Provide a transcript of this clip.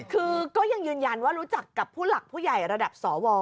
คือก็ยังยืนยันว่ารู้จักกับผู้หลักผู้ใหญ่ระดับสว